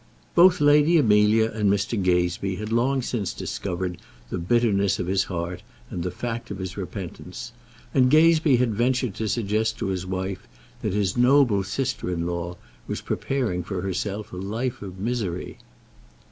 Both Lady Amelia and Mr. Gazebee had long since discovered the bitterness of his heart and the fact of his repentance, and Gazebee had ventured to suggest to his wife that his noble sister in law was preparing for herself a life of misery.